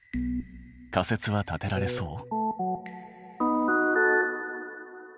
仮説は立てられそう？